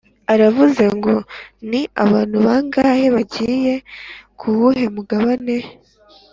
uravuze ngo ni abantu bangahe bagiye ku wuhe mugabane?